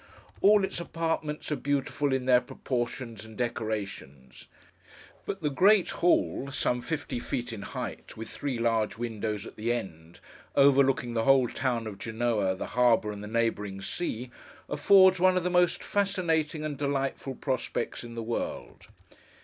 All its apartments are beautiful in their proportions and decorations; but the great hall, some fifty feet in height, with three large windows at the end, overlooking the whole town of Genoa, the harbour, and the neighbouring sea, affords one of the most fascinating and delightful prospects in the world.